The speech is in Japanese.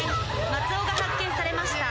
松尾が発見されました。